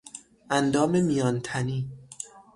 اندام میان تنی